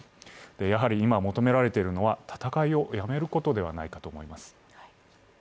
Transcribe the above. やはり今求められているのは、戦いをやめることではないかと思います。